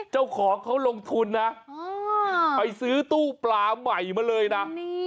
เจ้าของเขาลงทุนนะไปซื้อตู้ปลาใหม่มาเลยนะ